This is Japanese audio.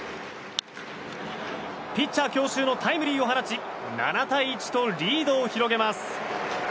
ピッチャー強襲のタイムリーを放ち７対１とリードを広げます。